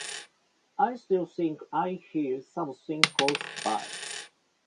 I still think I hear something close by.